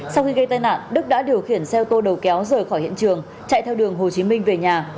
sau khi gây tai nạn đức đã điều khiển xe ô tô đầu kéo rời khỏi hiện trường chạy theo đường hồ chí minh về nhà